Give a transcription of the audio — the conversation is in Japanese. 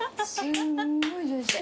すんごいジューシー。